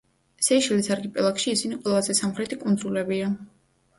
სეიშელის არქიპელაგში ისინი ყველაზე სამხრეთი კუნძულებია.